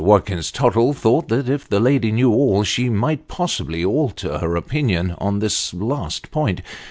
Watkins Tottle thought that if the lady knew all, she might possibly alter her opinion on this last point.